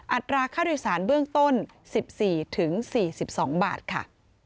อัตราค่าโดยสารเบื้องต้น๑๔๔๒บาทค่ะ